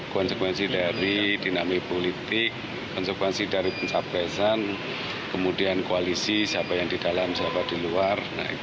konsekuensi dari dinami politik konsekuensi dari pencapresan kemudian koalisi siapa yang di dalam siapa di luar